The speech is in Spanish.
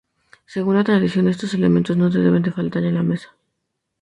Según la tradición, estos elementos no deben de faltar en la mesa.